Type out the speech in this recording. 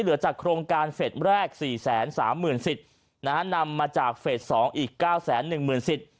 เหลือจากโครงการเฟสแรกสี่แสนสามหมื่นสิบนะฮะนำมาจากเฟสสองอีกเก้าแสนหนึ่งหมื่นสิบ